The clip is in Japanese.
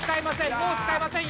もう使えませんよ。